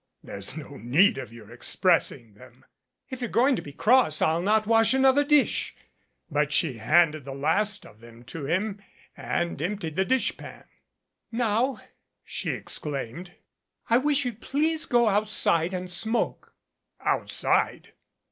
"There's no need of your expressing them." "If you're going to be cross I'll not wash another dish." But she handed the last of them to him and emp tied the dishpan. "Now," she exclaimed. "I wish you'd please go out side and smoke." "Outside!